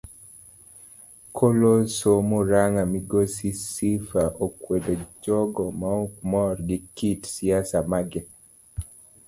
Koloso muranga migosi Sifa okwedo jogo maok mor gi kit siasa mage.